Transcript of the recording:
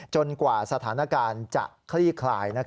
กว่าสถานการณ์จะคลี่คลาย